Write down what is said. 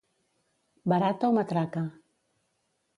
Barata o matraca.